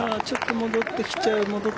ちょっと戻ってきちゃう。